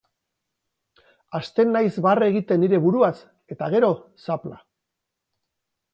Hasten naiz barre egiten nire buruaz, eta gero, zapla.